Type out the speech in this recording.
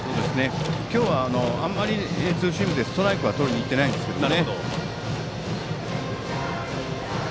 今日はあまりツーシームでストライクはとりにいっていないんですけど。